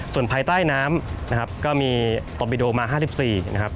ส่วนภายใต้น้ำนะครับก็มีตอบิโดมา๕๔นะครับ